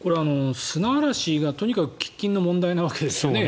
これは砂嵐がとにかく喫緊の問題なわけですよね。